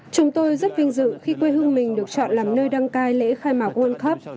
chúng tôi rất vinh dự khi quê hương mình được chọn làm nơi đăng cai lễ khai mạc world cup